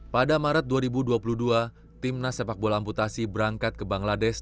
pada maret dua ribu dua puluh dua timnas sepak bola amputasi berangkat ke bangladesh